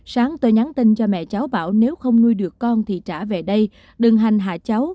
sáng tôi nhắn tin cho mẹ cháu bảo nếu không nuôi được con thì trả về đây đừng hành hạ cháu